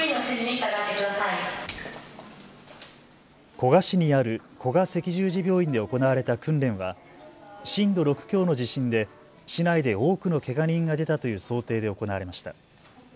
古河市にある古河赤十字病院で行われた訓練は震度６強の地震で市内で多くのけが人が出たという想定で行われました。